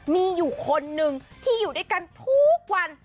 มีอยู่คนนึงที่อยู่ด้วยกันทุกวัน